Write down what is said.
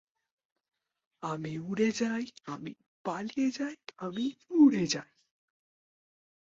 আমি উড়ে যাই, আমি পালিয়ে যাই, আমি উড়ে যাই।